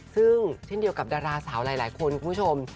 ซึ่งเช่นเดียวกับดาราสาวหลายคนคุณผู้ชม